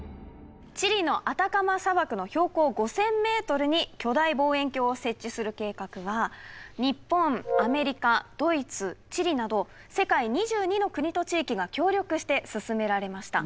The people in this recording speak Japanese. チリのアタカマ砂漠の標高５，０００ｍに巨大望遠鏡を設置する計画は日本アメリカドイツチリなど世界２２の国と地域が協力して進められました。